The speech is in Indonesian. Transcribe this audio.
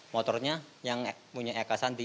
motornya yang punya eka sandi